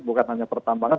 bukan hanya pertambangan